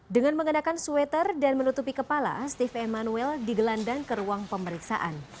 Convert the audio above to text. dengan mengenakan sweater dan menutupi kepala steve emmanuel digelandang ke ruang pemeriksaan